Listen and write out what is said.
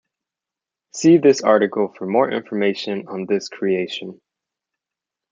See this article for more information on this creation.